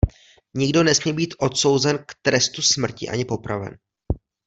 Nikdo nesmí být odsouzen k trestu smrti ani popraven.